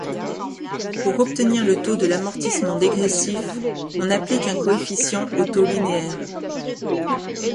Pour obtenir le taux de l'amortissement dégressif, on applique un coefficient au taux linéaire.